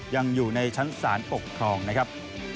ยังอยู่ในชั้นศาลปกครองนะครับ